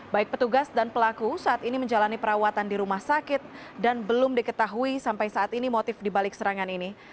baik petugas dan pelaku saat ini menjalani perawatan di rumah sakit dan belum diketahui sampai saat ini motif dibalik serangan ini